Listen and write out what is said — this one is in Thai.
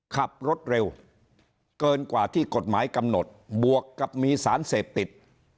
ขับรถเร็วเกินกว่าที่กฎหมายกำหนดบวกกับมีสารเสพติด